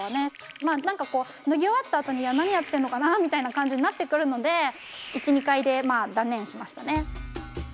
まあ何かこう脱ぎ終わったあとには何やってんのかなみたいな感じになってくるので１２回でまあ断念しましたね。